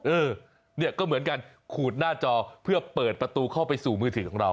เออเนี่ยก็เหมือนกันขูดหน้าจอเพื่อเปิดประตูเข้าไปสู่มือถือของเรา